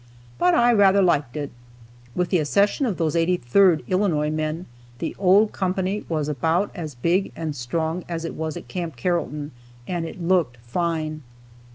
But I rather liked it. With the accession of those 83rd Illinois men, the old company was about as big and strong as it was at Camp Carrollton, and it looked fine.